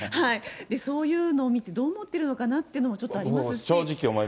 そういうのを見て、どう思ってるのかなというのもちょっとありますし。